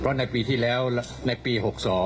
เพราะในปีที่แล้วในปี๖๒